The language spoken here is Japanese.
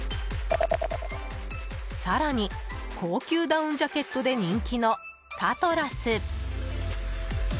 更に、高級ダウンジャケットで人気のタトラス。